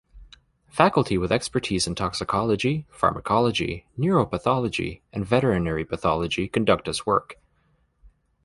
Faculty with expertise in toxicology, pharmacology, neuropathology, and veterinary pathology conduct this work.